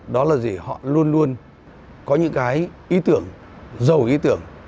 đó là gì họ luôn luôn có những cái ý tưởng giàu ý tưởng